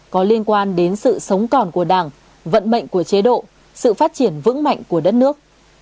có liên quan đến sự sống còn của đảng vận mệnh của chế độ sự phát triển vững mạnh của đất nước